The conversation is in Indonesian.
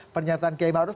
pernyataan kiai ma'ruf